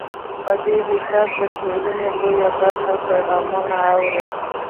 په دې حساب د ټولنې لویه برخه پیغامونه اوري.